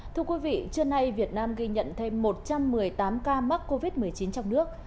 thưa quý vị trưa nay việt nam ghi nhận thêm một trăm một mươi tám ca mắc covid một mươi chín trong nước